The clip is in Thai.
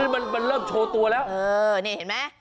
มันเริ่มโชว์ตัวแล้วนี่เห็นไหม